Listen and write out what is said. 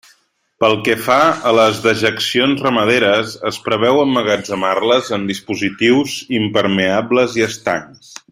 Pel que fa a les dejeccions ramaderes, es preveu emmagatzemar-les en dispositius impermeables i estancs.